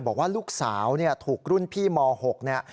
บอกว่าลูกสาวเนี่ยถูกรุ่นพี่ม๖เนี่ย